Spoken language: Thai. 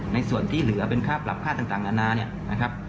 ในส่วนที่เหลือเป็นค่าปรับค่าต่างนานาเนี่ยนะครับ